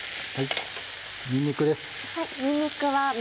にんにくです。